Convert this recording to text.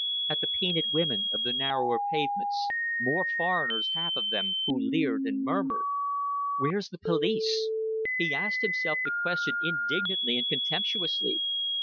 at the painted women of the narrower pavements more foreigners half of them who leered and murmured. "Where's the police?" He asked himself the question indignantly and contemptuously.